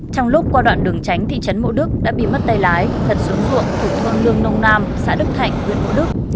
trong lúc qua đoạn đường tránh thị trấn mộ đức đã bị mất tay lái thật xuống ruộng thủ thương lương nông nam xã đức thạnh huyện mộ đức